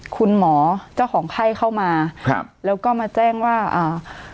คุณหมอเจ้าของไข้เข้ามาครับแล้วก็มาแจ้งว่าอ่า